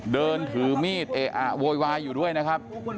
เดินถือมีดเอะอะโวยวายอยู่ด้วยนะครับ